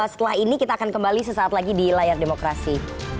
setelah ini kita akan kembali sesaat lagi di layar demokrasi